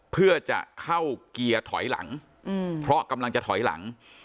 เพื่อจะเข้าเกียร์ถอยหลังเพราะกำลังจะถอยหลัง